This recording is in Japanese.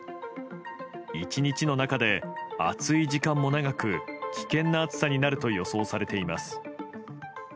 １日の中で暑い時間も長く危険な暑さになると予想されています。